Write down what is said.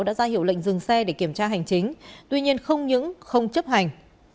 đã ra hiệu lệnh dừng xe để kiểm tra hành chính tuy nhiên không những không chấp hành